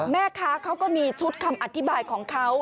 แม่ค้าเขาก็มีชุดคำอธิบายของเขา